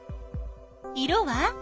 色は？